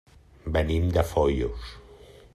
Venim de Foios.